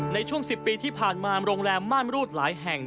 ในช่วง๑๐ปีที่ผ่านมาโรงแรมม่านรูดหลายแห่ง